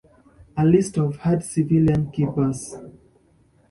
A list of Head civilian keepers.